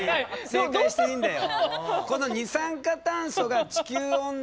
正解していいんだよ。